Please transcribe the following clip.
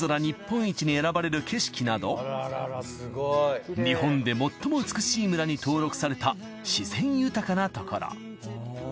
日本一に選ばれる景色など日本で最も美しい村に登録された自然豊かなところ。